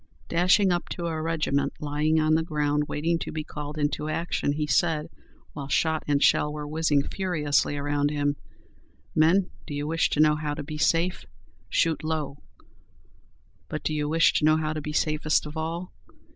Dashing up to a regiment lying on the ground waiting to be called into action, he said, while shot and shell were whizzing furiously around him, "Men, do you wish to know how to be safe? Shoot low. But do you wish to know how to be safest of all?